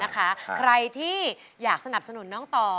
ใครที่อยากสนับสนุนน้องต่อ